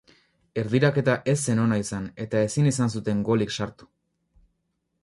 Erdiraketa ez zen ona izan eta ezin izan zuten golik sartu.